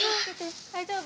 大丈夫？